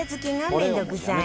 「面倒くさい」